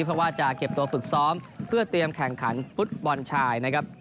เพราะว่าจะเก็บตัวฝึกซ้อมเพื่อเตรียมแข่งขันฟุตบอลชายนะครับ